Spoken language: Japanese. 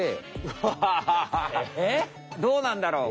うわ！どうなんだろう？